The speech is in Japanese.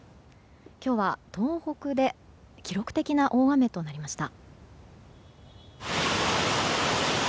今日は東北で記録的な大雨となりました。